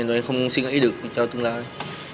nên tụi em không suy nghĩ được cho tương lai